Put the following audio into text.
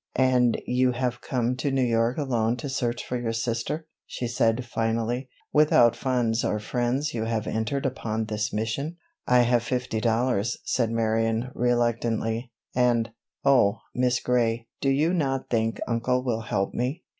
"And you have come to New York alone to search for your sister," she said finally. "Without funds or friends you have entered upon this mission?" "I have fifty dollars," said Marion reluctantly, "and, oh, Miss Gray, do you not think uncle will help me?